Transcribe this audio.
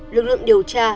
lực lượng điều tra